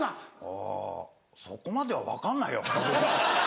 あそこまでは分かんないよ。